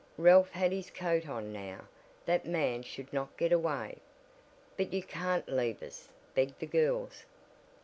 Ralph had his coat on now. That man should not get away! "But you can't leave us," begged the girls.